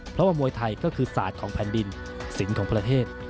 เพราะว่ามวยไทยก็คือศาสตร์ของแผ่นดินสินของประเทศ